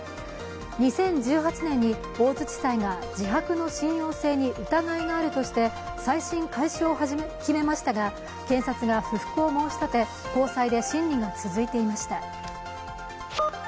２０１８年に大津地裁が自白の信用性に疑いがあるとして再審開始を決めましたが検察が不服を申し立て、高裁で審理が続いていました。